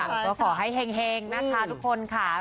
ก็ขอให้เห็งนะคะทุกคนค่ะ